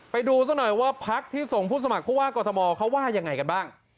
ไปดูซะหน่อยว่าพักที่ส่งผู้สมัครผู้ว่ากรทมเขาว่ายังไงกันบ้าง